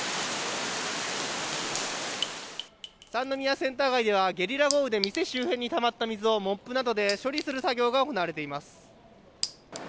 さんのみやセンター街ではゲリラ豪雨で店周辺にたまった水を、モップなどで処理する作業が行われています。